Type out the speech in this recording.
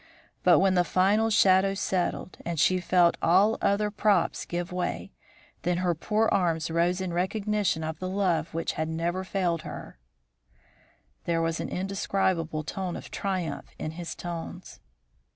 But when the final shadow settled and she felt all other props give way, then her poor arms rose in recognition of the love which had never failed her." There was an indescribable tone of triumph in his tones.